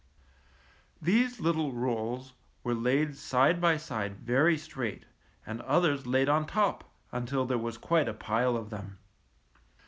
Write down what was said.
These little rolls were laid side by side very straight and others laid on top until there was quite a pile of them.